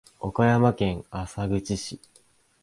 岡山県浅口市